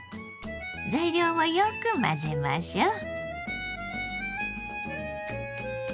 材料をよく混ぜましょう。